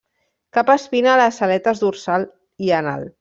Cap espina a les aletes dorsal i anal.